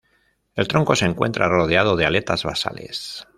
El tronco se encuentra rodeado de aletas basales.